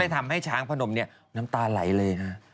ก็เลยทำให้ช้างพนมนี่น้ำตาไหลเลยนะ